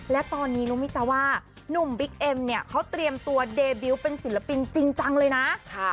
และตอนนี้รู้ไหมจ๊ะว่านุ่มบิ๊กเอ็มเนี่ยเขาเตรียมตัวเดบิวต์เป็นศิลปินจริงจังเลยนะ